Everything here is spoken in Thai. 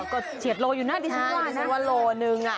ก็๗โลอยู่หน้าดีฉันกว่านะใช่คือว่าโลหนึ่ง